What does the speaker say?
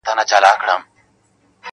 • چي شرنګوي په خپله مېنه کي پردۍ زولنې -